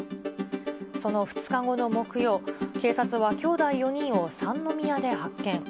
その２日後の木曜、警察はきょうだい４人を三宮で発見。